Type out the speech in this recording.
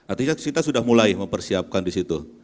artinya kita sudah mulai mempersiapkan di situ